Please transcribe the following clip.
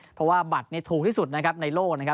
เพราะว่าบัตรทุกที่สุดในโลก